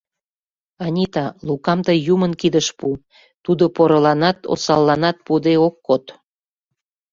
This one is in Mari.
Анита, Лукам тый Юмын кидыш пу, Тудо порыланат, осалланат пуыде ок код.